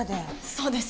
そうです